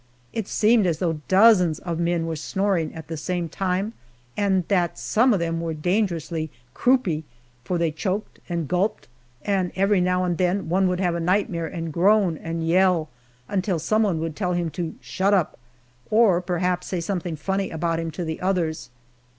It seemed as though dozens of men were snoring at the same time, and that some of them were dangerously "croupy," for they choked and gulped, and every now and then one would have nightmare and groan and yell until some one would tell him to "shut up," or perhaps say something funny about him to the others.